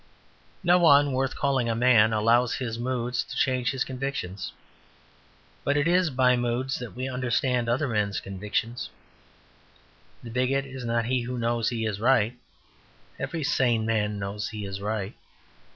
No one worth calling a man allows his moods to change his convictions; but it is by moods that we understand other men's convictions. The bigot is not he who knows he is right; every sane man knows he is right.